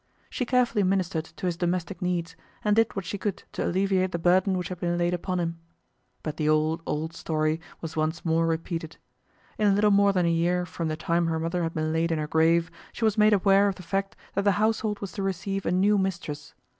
She carefully ministered to his domestic needs, and did what she could to alleviate the burden which had been laid upon him. But the old, old story was once more repeated. In little more than a year from the time her mother had been laid in her grave, she was made aware of the fact that the household was to receive a new mistress.